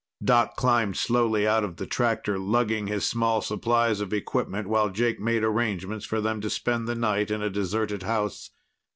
Doc climbed slowly out of the tractor, lugging his small supplies of equipment, while Jake made arrangements for them to spend the night in a deserted house.